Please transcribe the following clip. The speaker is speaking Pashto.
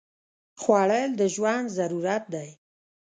خوړل د ژوند ضرورت دی